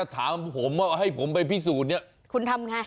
ถามผมว่าให้ผมไปพิสูจน์เนี่ยคุณทำไง